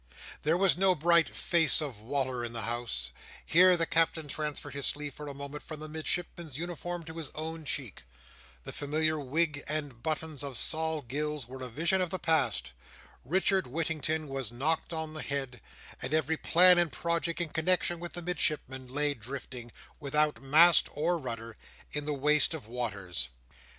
There was no bright face of "Wal"r" in the house;—here the Captain transferred his sleeve for a moment from the Midshipman's uniform to his own cheek;—the familiar wig and buttons of Sol Gills were a vision of the past; Richard Whittington was knocked on the head; and every plan and project in connexion with the Midshipman, lay drifting, without mast or rudder, on the waste of waters.